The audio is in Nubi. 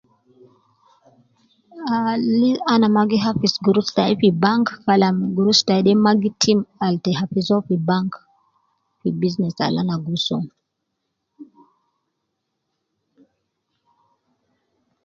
Aaa ana magi hafidhi gurush tayi fi bank kalam gurush de ma gi tim, al ta hafidhi uwo fi bank, fi business al ana giso.